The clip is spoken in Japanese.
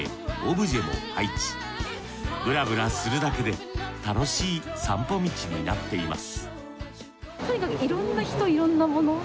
ブラブラするだけで楽しい散歩道になっています